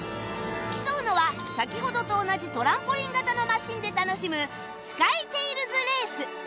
競うのは先ほどと同じトランポリン型のマシンで楽しむ ＳｋｙｔａｉｌｓＲａｃｅ